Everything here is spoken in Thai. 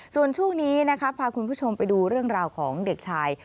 ส่วนช่วงนี้นะคะพาคุณผู้ชมไปดูเรื่องราวของเด็กชาย